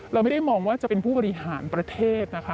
เราไม่ได้มองว่าจะเป็นผู้บริหารประเทศนะคะ